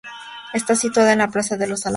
Está situado en la Plaza de La Alameda.